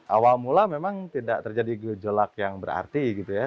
awal mula memang tidak terjadi gejolak yang berarti gitu ya